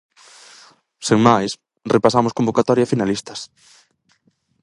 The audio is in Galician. Sen máis, repasamos convocatoria e finalistas.